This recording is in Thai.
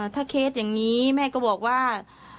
ถ้าเคสอย่างนี้แม่ก็บอกว่า